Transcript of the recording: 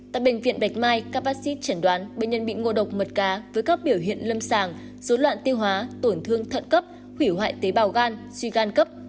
tại bệnh viện bạch mai các bác sĩ chẩn đoán bệnh nhân bị ngộ độc mật cá với các biểu hiện lâm sàng dối loạn tiêu hóa tổn thương thận cấp hủy hoại tế bào gan suy gan cấp